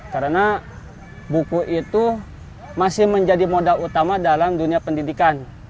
karena buku itu masih menjadi moda utama dalam dunia pendidikan